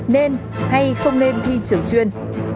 nên hay không nên thi trường chuyên